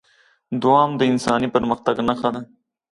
دوام د انساني پرمختګ نښه ده.